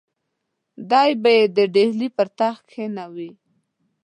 دی به یې د ډهلي پر تخت کښېنوي.